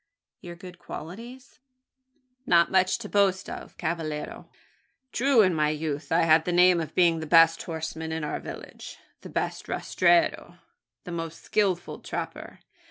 "Your good qualities?" "Not much to boast of, cavallero. True, in my youth, I had the name of being the best horseman in our village the best rastreador the most skilful trapper.